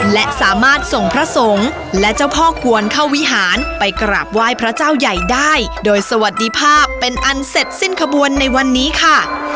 และสามารถส่งพระสงฆ์และเจ้าพ่อกวนเข้าวิหารไปกราบไหว้พระเจ้าใหญ่ได้โดยสวัสดีภาพเป็นอันเสร็จสิ้นขบวนในวันนี้ค่ะ